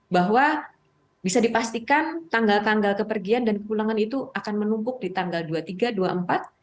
bahwa bisa dipastikan tanggal tanggal kepergian dan pulangan itu akan menumpuk di tanggal dua puluh tiga dua puluh empat dan nanti di tahun baru tanggal tiga puluh satu tiga puluh dua